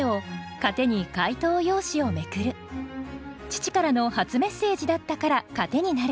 父からの初メッセージだったから糧になる。